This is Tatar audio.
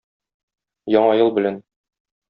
Яңа ел белән!